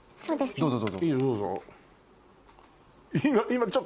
どうぞ。